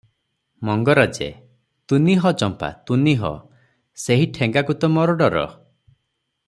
ମଙ୍ଗରାଜେ - ତୁନି ହ ଚମ୍ପା, ତୁନି ହ! ସେହି ଠେଙ୍ଗାକୁ ତ ମୋର ଡର ।